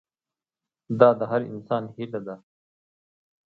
دا د هر انسان هیله ده.